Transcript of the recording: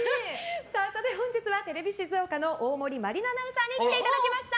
本日はテレビ静岡の大森万梨乃アナウンサーに来ていただきました。